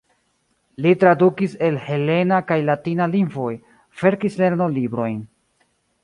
Li tradukis el helena kaj latina lingvoj, verkis lernolibrojn.